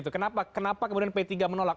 kenapa kemudian p tiga menolak